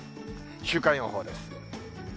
週間予報です。